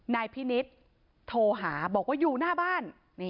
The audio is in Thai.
นายพินิษฐ์โทรหาบอกว่าอยู่หน้าบ้าน